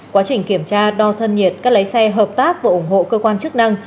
quá trình kiểm tra đo thân nhiệt các lái xe hợp tác và ủng hộ cơ quan chức năng